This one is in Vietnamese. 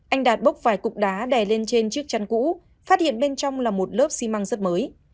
anh đạt bốc vài cục đá đè lên trên chiếc chăn cũ phát hiện bên trong là một lớp xi măng rất mới